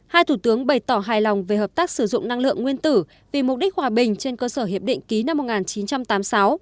hai thủ tướng bày tỏ hài lòng về hợp tác sử dụng năng lượng nguyên tử vì mục đích hòa bình trên cơ sở hiệp định ký năm một nghìn chín trăm tám mươi sáu